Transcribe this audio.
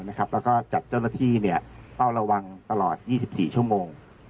แล้วก็จัดเจ้าหน้าที่เฝ้าระวังตลอด๒๔ชั่วโมง